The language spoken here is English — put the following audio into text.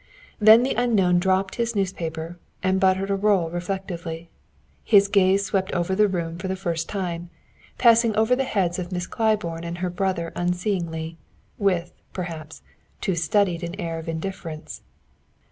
Then the unknown dropped his newspaper, and buttered a roll reflectively. His gaze swept the room for the first time, passing over the heads of Miss Claiborne and her brother unseeingly with, perhaps, too studied an air of indifference.